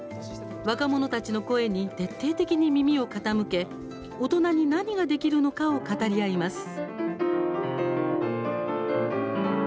若者たちの声に徹底的に耳を傾け大人に何ができるのかを語り合います。